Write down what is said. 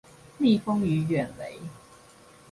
蜜蜂與遠雷